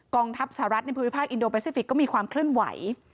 องทัพสหรัฐในภูมิภาคอินโดแปซิฟิกก็มีความเคลื่อนไหว